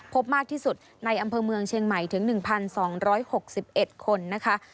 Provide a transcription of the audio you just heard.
พบมากที่สุดในอำเภอเมืองเชียงใหม่ถึง๑๒๖๑คนนะคะ